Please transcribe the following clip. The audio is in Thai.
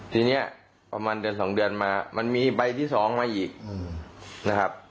ทีนี้ประมาณเดือน๒เดือนมามันมีใบที่๒มาอีกนะครับ